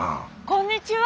こんにちは。